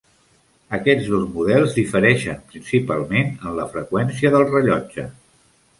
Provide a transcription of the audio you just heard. Aquests dos models difereixen principalment en la freqüència del rellotge.